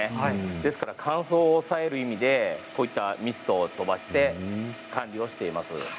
ですから、乾燥を抑える意味でこういったミストを飛ばして管理をしています。